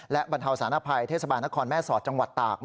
และบรรเทาสารภัยเทศบาลนครแม่สอดจังหวัดตาก